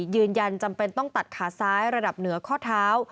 ยืนยันจำเป็นต้องตัดขาซ้ายระดับเหนือข้อเท้า